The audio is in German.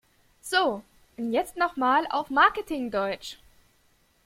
So, und jetzt noch mal auf Marketing-Deutsch!